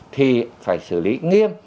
thì phải xử lý nghiêm